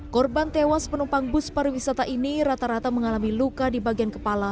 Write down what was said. korban tewas penumpang bus pariwisata ini rata rata mengalami luka di bagian kepala